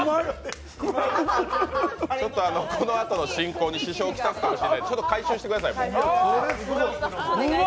ちょっとこのあとの進行に支障来すかもしれない回収してください。